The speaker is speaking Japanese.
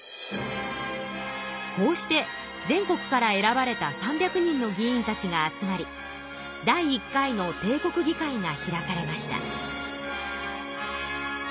こうして全国から選ばれた３００人の議員たちが集まり第１回の帝国議会が開かれました。